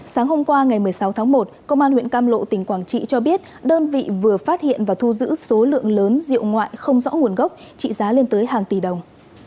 sáng hôm qua ngày một mươi sáu tháng một công an huyện cam lộ tỉnh quảng trị cho biết đơn vị vừa phát hiện và thu giữ số lượng lớn rượu ngoại không rõ nguồn gốc trị giá lên tới hàng tỷ đồng